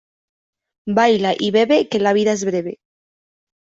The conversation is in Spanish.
Baila y bebe, que la vida es breve.